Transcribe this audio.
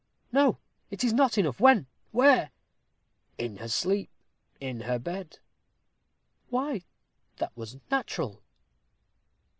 "No, it is not enough. When? Where?" "In her sleep in her bed." "Why, that was natural."